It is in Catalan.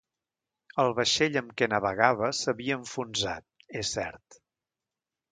El vaixell amb què navegava s'havia enfonsat, és cert.